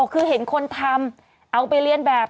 คือเห็นคนทำเอาไปเรียนแบบ